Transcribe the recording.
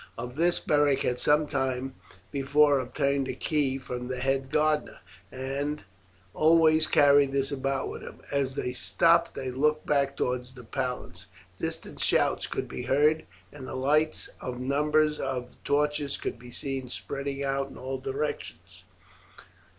Of this Beric had some time before obtained a key from the head gardener, and always carried this about with him. As they stopped they looked back towards the palace. Distant shouts could be heard, and the lights of numbers of torches could be seen spreading out in all directions.